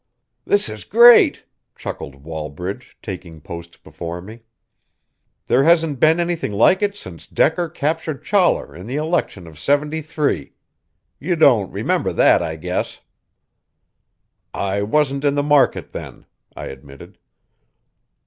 "This is great," chuckled Wallbridge, taking post before me. "There hasn't been anything like it since Decker captured Chollar in the election of seventy three. You don't remember that, I guess?" "I wasn't in the market then," I admitted.